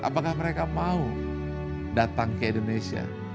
apakah mereka mau datang ke indonesia